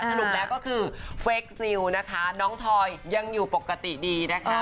สรุปแล้วก็คือเฟคนิวนะคะน้องทอยยังอยู่ปกติดีนะคะ